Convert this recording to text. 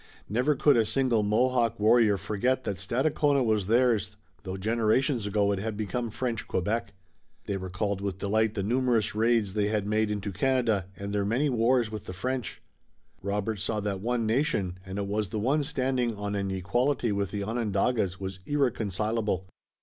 Never could a single Mohawk warrior forget that Stadacona was theirs, though generations ago it had become French Quebec. They recalled with delight the numerous raids they had made into Canada, and their many wars with the French. Robert saw that one nation, and it was the one standing on an equality with the Onondagas, was irreconcilable.